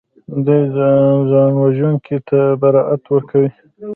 دوی ځانوژونکي ته برائت ورکوي